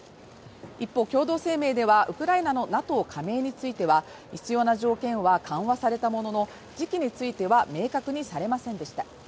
一方、共同声明ではウクライナのＮＡＴＯ加盟については、必要な条件は緩和されたものの時期については明確にされませんでした。